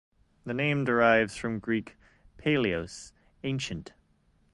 The name derives from Greek "Palaios" "ancient".